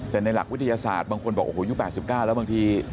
แต่ในหลักวิทยาศาสตร์บางคนบอกโอ้โหยุค๘๙แล้วบางที